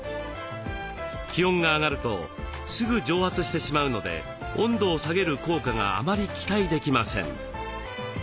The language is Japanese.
気温が上がるとすぐ蒸発してしまうので温度を下げる効果があまり期待できません。